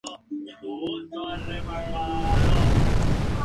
Al timbre la corona del Príncipe de Asturias.